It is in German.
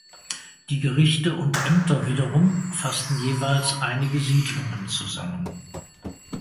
Die Gerichte und Ämter wiederum fassten jeweils einige Siedlungen zusammen.